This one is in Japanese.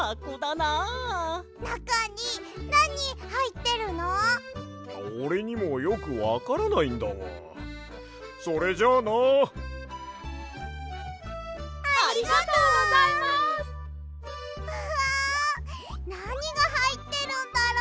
なにがはいってるんだろう？